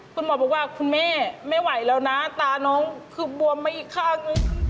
คุณหมอบอกว่าคุณแม่ไม่ไหวแล้วนะตาน้องคือบวมมาอีกข้างนึง